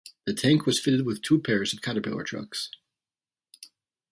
The tank was fitted with two pairs of caterpillar tracks.